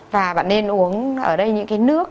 và bạn nên uống ở đây những cái nước